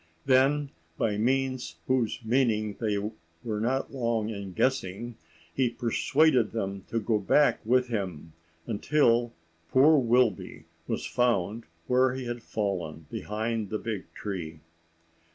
Then by signs whose meaning they were not long in guessing, he persuaded them to go back with him, until poor Wilby was found where he had fallen beside the big tree.